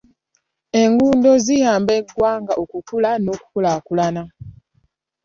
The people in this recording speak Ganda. Enguuddo ziyamba eggwanga okukula n'okukulaakulana.